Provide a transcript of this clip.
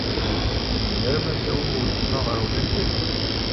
Tzemrem ad tawim weltma ɣer unafag?